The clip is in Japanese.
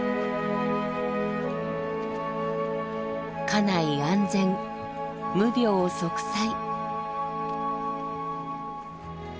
家内安全無病息災。